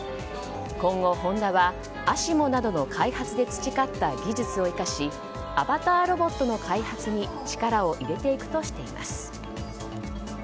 今後、ホンダはＡＳＩＭＯなどの開発で培った技術を生かしアバターロボットの開発に力を入れていくとしています。